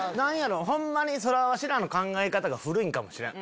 ホンマにわしらの考え方が古いんかもしれん。